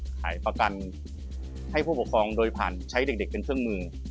ขายประกันให้ผู้ปกครองโดยผ่านใช้เด็กเป็นเครื่องมือ